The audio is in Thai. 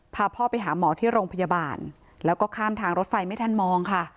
พาพ่อไปหาหมอที่โรงพยาบาลแล้วก็ข้ามทางรถไฟไม่ทันมองค่ะ